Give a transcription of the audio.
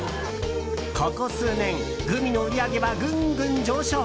ここ数年、グミの売り上げはぐんぐん上昇。